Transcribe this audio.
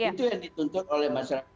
itu yang dituntut oleh masyarakat